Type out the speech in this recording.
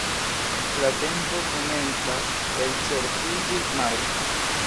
La tempo komencas elĉerpiĝi, Mark!